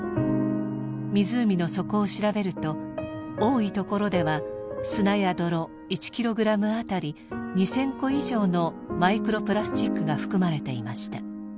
湖の底を調べると多いところでは砂や泥１キログラムあたり２０００個以上のマイクロプラスチックが含まれていました。